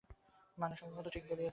মানে, সম্ভবত ঠিক বলছিস।